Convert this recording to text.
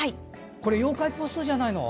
これ妖怪ポストじゃないの。